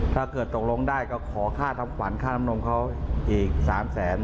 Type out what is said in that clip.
ถ้าเกิดตกลงได้ก็ขอค่าทำขวัญค่าน้ำนมเขาอีก๓แสน